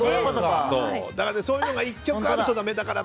そういうのが１曲あるとだめだから。